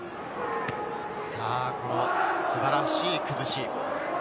この素晴らしい崩し。